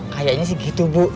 kayaknya sih gitu bu